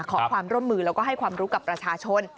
ขอความร่วมมือแล้วก็ให้ความรู้กับประชาชน